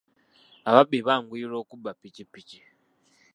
Ababbi banguyirwa okubba ppikippiki.